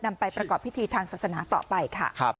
นำไปประกอบพิธีทางศาสนาต่อไปค่ะ